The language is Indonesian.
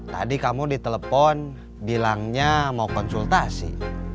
tadi kamu ditelepon bilangnya mau konsultasi